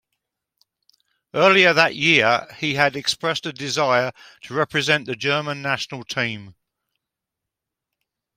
Earlier that year, he had expressed a desire to represent the German national team.